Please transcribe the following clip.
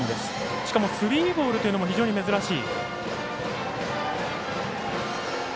しかも、スリーボールというのも非常に珍しい。